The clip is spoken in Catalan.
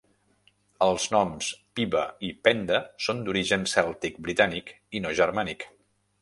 Els noms Pybba i Penda són d'origen cèltic britànic i no germànic.